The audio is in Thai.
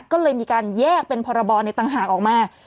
ก็เลยมีการแยกเป็นพรบในต่างหากออกมา